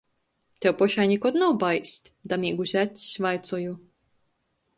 "Tev pošai nikod nav baist?" damīguse acs, vaicoju.